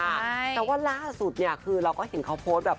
แต่ว่าล่าสุดเนี่ยคือเราก็เห็นเขาโพสต์แบบ